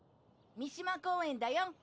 三島公園だよ。